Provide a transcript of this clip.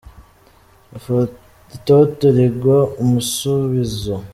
Itoto rigwa umusubizo.